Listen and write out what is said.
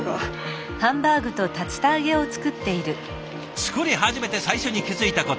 作り始めて最初に気付いたこと。